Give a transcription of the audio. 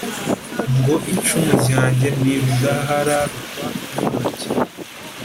Ngo icumu lyanjye ni rudahararukwa n'intoki